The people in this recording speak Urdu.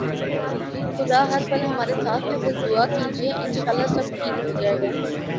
خدا ہر پل ہمارے ساتھ ہے بس دعا کیجئے، انشاءاللہ سب ٹھیک ہوجائےگا